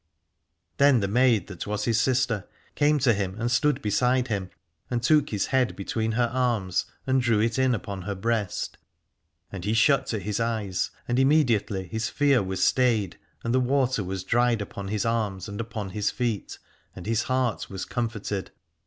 Then the maid that was his sister came to him and stood beside him, and took his head between her arms and drew it in upon her breast. And he shut to his eyes and immedi ately his fear was stayed and the water was dried upon his arms and upon his feet, and his heart was comforted.